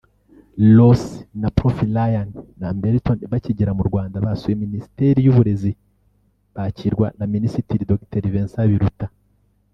Losi na Prof Ryan Lamberton bakigera mu Rwanda basuye Minisiteri y’Uburezi bakirwa na Minisitiri Dr Vicent Biruta